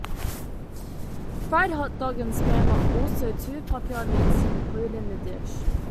Fried hotdog and Spam are also two popular meats to include in the dish.